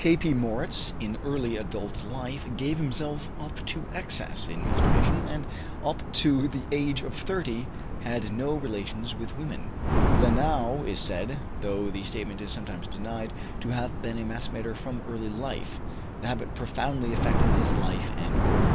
K.P. Moritz, in early adult life, gave himself up to excess in masturbation, and up to the age of thirty had no relations with women. Lenau is said though the statement is sometimes denied to have been a masturbator from early life, the habit profoundly effecting his life and work.